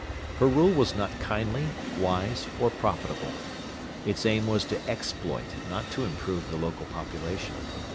Her rule was not kindly, wise, or profitable. Its aim was to exploit, not to improve the local population.